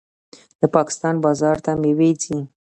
د پاکستان بازار ته میوې ځي.